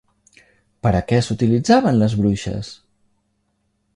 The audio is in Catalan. Per a què s'utilitzaven les bruixes?